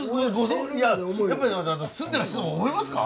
やっぱり住んでる人も思いますか？